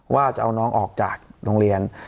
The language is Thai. ว่าจะเอาน้องออกจากโรงเรียน